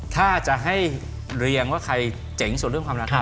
ถ้าจะให้เรียงว่าใครเจ๋งสุดเรื่องความรัก